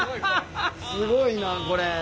すごいなこれ。